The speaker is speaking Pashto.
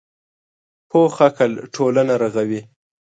پوخ عقل ټولنه رغوي